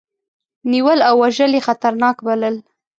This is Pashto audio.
نیول او وژل یې خطرناک بلل.